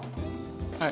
はい。